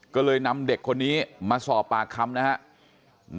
ก็เลยนำเด็กคนนี้มาสอบปากคำนะครับ